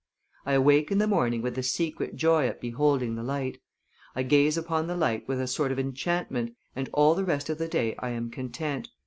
I awake in the morning with a secret joy at beholding the light; I gaze upon the light with a sort of enchantment, and all the rest of the day I am content.